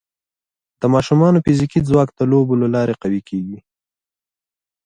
د ماشومانو فزیکي ځواک د لوبو له لارې قوي کېږي.